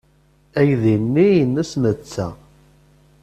Aydi-nni nnes netta.